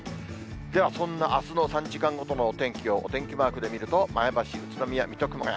ではそんなあすの３時間ごとのお天気をお天気マークで見ると、前橋、宇都宮、水戸、熊谷。